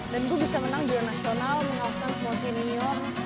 dan gue bisa menang jurnal nasional mengawal kelas senior